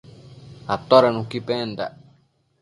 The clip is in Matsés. Atoda nuqui pendac?